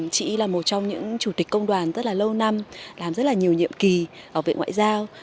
chị là một trong những chủ tịch công đoàn rất là lâu năm làm rất là nhiều nhiệm kỳ ở viện ngoại giao